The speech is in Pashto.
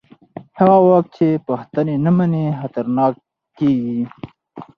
هغه واک چې پوښتنې نه مني خطرناک کېږي